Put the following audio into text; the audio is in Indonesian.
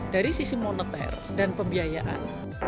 dari sisi moneter dan pembiayaan